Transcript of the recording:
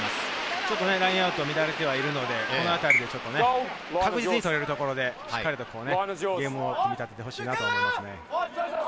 ちょっとラインアウトが乱れてるので、確実に取れるところでしっかりゲームを組み立ててほしいなと思います。